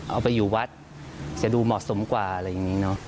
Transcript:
เอาไปอยู่วัดจะดูเหมาะสมกว่าอะไรอย่างนี้เนอะ